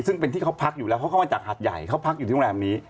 ซึ่งเป็นที่เขาพักอยู่แล้วเพราะเข้ามาจากหาดใหญ่เขาพักอยู่ที่โรงแรมนี้